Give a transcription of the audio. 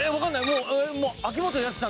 もう。